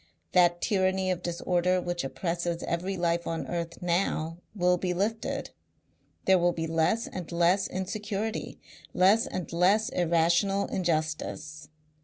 That tyranny of disorder which oppresses every life on earth now will be lifted. There will be less and less insecurity, less and less irrational injustice.